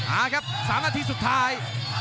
อาครับ๓นาทีสุดท้าย